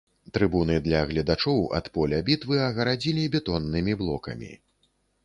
Трыбуны для гледачоў ад поля бітвы агарадзілі бетоннымі блокамі.